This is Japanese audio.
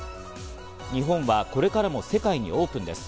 日本はこれからも世界にオープンです。